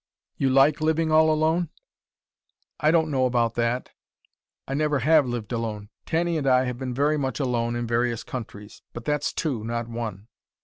"You like living all alone?" "I don't know about that. I never have lived alone. Tanny and I have been very much alone in various countries: but that's two, not one."